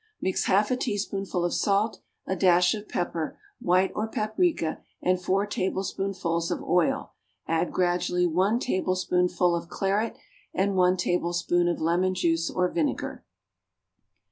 _) Mix half a teaspoonful of salt, a dash of pepper, white or paprica, and four tablespoonfuls of oil; add gradually one tablespoonful of claret and one tablespoonful of lemon juice or vinegar.